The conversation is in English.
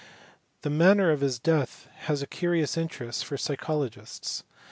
The manner of his death has a curious interest for psychologists.